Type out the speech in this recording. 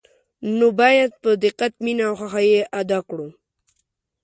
نو باید په دقت، مینه او خوښه یې ادا کړو.